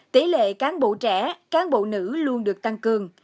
tỷ lệ cán bộ trẻ cán bộ nữ luôn được tăng cường